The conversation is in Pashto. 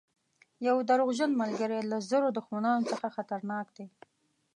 یو دروغجن ملګری له زرو دښمنانو څخه خطرناک دی.